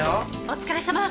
お疲れさま！